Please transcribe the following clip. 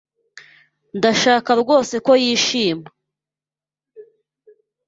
Ndashaka rwose ko yishima.